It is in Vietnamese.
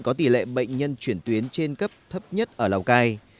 có tỷ lệ bệnh nhân chuyển tuyến trên cấp thấp nhất ở lào cai